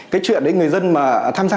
cái chuyện đấy người dân mà tham gia